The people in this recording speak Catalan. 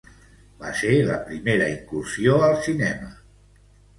Va ser la primera incursió al cinema dels Cinc Grans del Bon Humor.